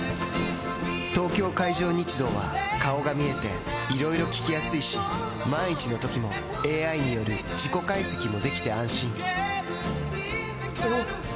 東京海上日動は顔が見えていろいろ聞きやすいし万一のときもＡＩによる事故解析もできて安心おぉ！